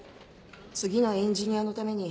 次のエンジニアのために